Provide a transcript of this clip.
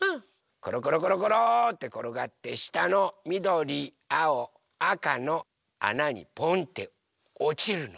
ころころころころってころがってしたのみどりあおあかのあなにポンっておちるの。